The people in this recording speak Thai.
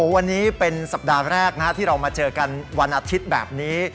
วันนี้เป็นสัปดาห์แรกที่เรามาเจอกันวันอาทิตย์แบบนี้